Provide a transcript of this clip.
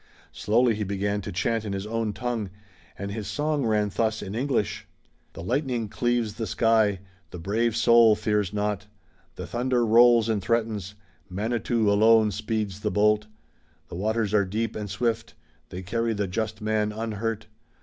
Slowly he began to chant in his own tongue, and his song ran thus in English: "The lightning cleaves the sky, The Brave Soul fears not; The thunder rolls and threatens, Manitou alone speeds the bolt; The waters are deep and swift, They carry the just man unhurt."